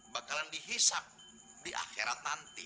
bakalan dihisap di akhirat nanti